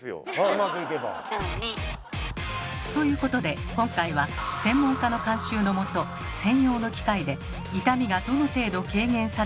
うまくいけば。ということで今回は専門家の監修のもと専用の機械で痛みがどの程度軽減されるのか実験。